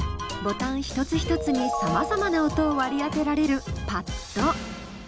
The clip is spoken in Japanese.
ボタン一つ一つに様々な音を割り当てられるパッド。